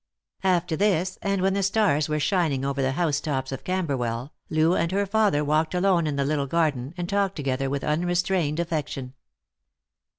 After this, and when the stars were shining over the house tops of Camberwell, Loo and her father walked alone in the little garden, and talked together with unrestrained affection.